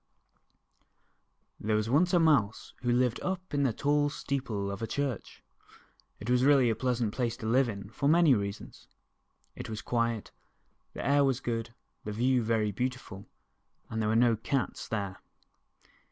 THERE was once a Mouse, who lived up in the tall steeple of a church. It was really a pleasant place to live in for many rea sons. It was quiet, the air was good, the view very beautiful, and there were no cats there.